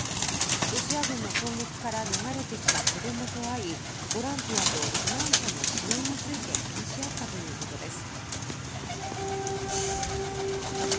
ロシア軍の攻撃から逃れてきた子どもと会いボランティアと避難者の支援について話し合ったということです。